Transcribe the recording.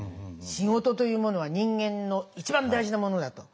「仕事というものは人間の一番大事なものだ」と。